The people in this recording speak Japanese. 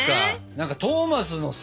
何かトーマスのさ